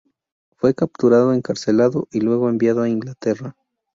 Fue capturado, encarcelado y luego enviado a Inglaterra.